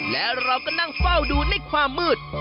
และเราก็นั่งเฝ้าดูในความมืด